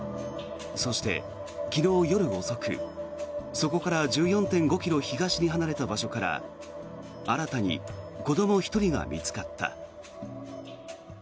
そして昨日夜遅くそこから１４．５ｋｍ東に離れた場所から新たに子ども１人が見つかった。